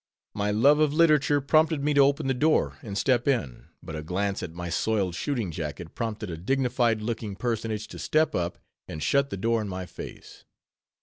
My love of literature prompted me to open the door and step in; but a glance at my soiled shooting jacket prompted a dignified looking personage to step up and shut the door in my face.